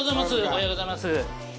おはようございます。